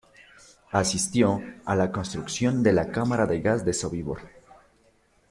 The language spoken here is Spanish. Asistió a la construcción de la cámara de gas de Sobibor.